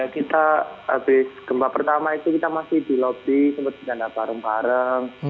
kita habis gempa pertama itu kita masih di lobby seperti di dana bareng bareng